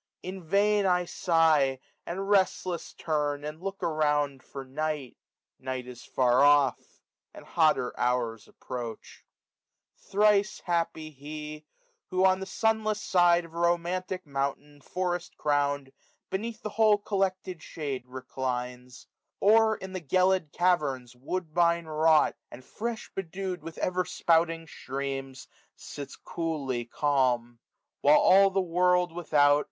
In vain I sigh, 455 And restless turn, and look around for Night; Night is far off} and hotter hours approach* SUMME JL Thrice happy he ! who on the sunless side Of a romantic mountain^ forest<rown'd» Beneath the whole collected shade reclines ; 460 Or in the gelid caverns, woodbine*wrought. And fresh bedew'd with eyer spouting streams^ Sitsxoolly calm } while all the world without.